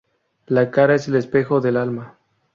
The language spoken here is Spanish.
La cara es el espejo del alma